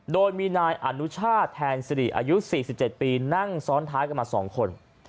โดยมีนายอนุชาติแทนสิริอายุ๔๗ปีนั่งซ้อนท้ายกันมา๒คน